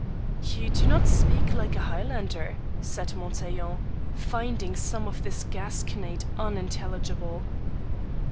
"You do not speak like a Highlander," said Montaiglon, finding some of this gasconade unintelligible.